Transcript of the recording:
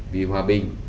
vì hòa bình